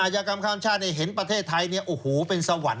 อาชญากรรมข้ามชาติในเห็นประเทศไทยโอ้โหเป็นสวรรค์